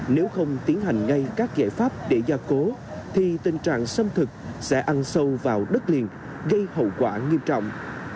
nếu không tiến hành ngay các giải pháp để gia cố thì tình trạng xâm thực sẽ ăn sâu vào đất liền gây hậu quả nghiêm trọng